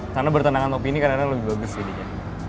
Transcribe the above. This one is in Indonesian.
sana bertandangan opini kadang kadang lebih bagus jadinya